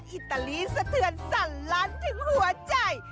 อิตาลีสะเทือนสั่นลั่นถึงหัวใจ